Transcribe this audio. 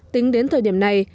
tính đến thời điểm này